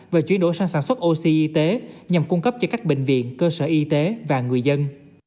và chuyển đổi sang sản xuất oxy y tế nhằm cung cấp cho các bệnh viện cơ sở y tế và người dân